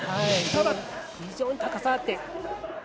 非常に高さあって。